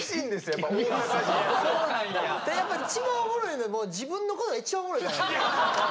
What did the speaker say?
やっぱ一番おもろいの自分のことが一番おもろいからね。